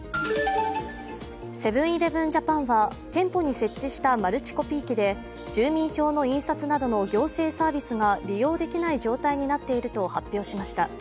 セブン−イレブン・ジャパンは店舗に設置したマルチコピー機で住民票の印刷などの行政サービスが利用できない状態になっていると発表しました。